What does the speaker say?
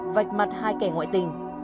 vạch mặt hai kẻ ngoại tình